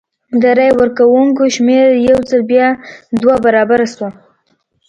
د رای ورکوونکو شمېر یو ځل بیا دوه برابره شو.